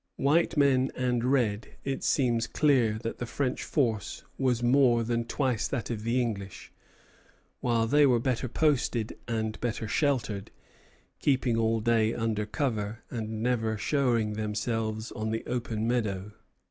White men and red, it seems clear that the French force was more than twice that of the English, while they were better posted and better sheltered, keeping all day under cover, and never showing themselves on the open meadow.